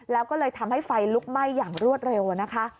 แล้วก็เลยทำให้ไฟลุกไหม้อย่างรวดเร็วนะคะ